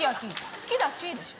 「好きだし」でしょ？